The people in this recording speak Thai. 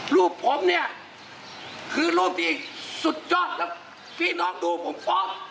รูปผมเนี่ยคือรูปที่สุดยอดแล้วพี่น้องดูผมพร้อม